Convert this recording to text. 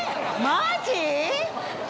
マジ？